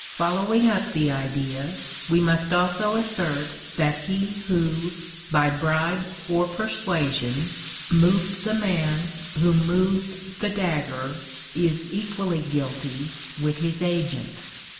Following up the idea, we must also assert that he who, by bribes or persuasion, moved the man who moved the dagger, is equally guilty with his agent.